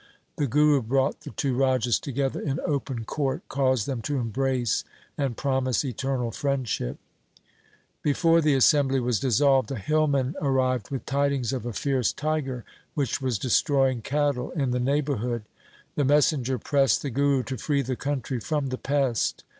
The Guru brought the two Rajas together in open court, caused them to embrace and promise eternal friendship. LIFE OF GURU GOBIND SINGH 19 Before the assembly was dissolved a hillman arrived with tidings of a fierce tiger which was destroying cattle in the neighbourhood. The mes senger pressed the Guru to free the country from the pest.